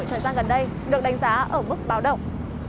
thời gian gần đây được đánh giá ở mức báo động